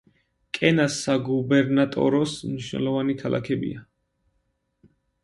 კენას საგუბერნატოროს მნიშვნელოვანი ქალაქებია.